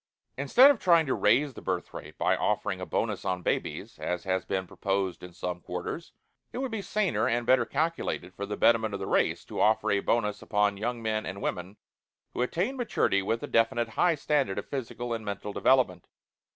Instead of trying to raise the birth rate by offering a bonus on babies as has been proposed in some quarters, it would be saner and better calculated for the betterment of the race to offer a bonus upon young men and women who attained maturity with a definite high standard of physical and mental development.